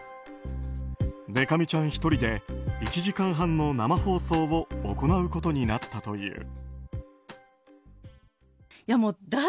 でか美ちゃん１人で１時間半の生放送を行うことになったという。